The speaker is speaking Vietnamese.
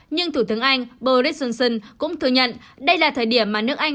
nhưng thủ tướng anh boris johnson cũng thừa nhận đây là thời điểm mà nước anh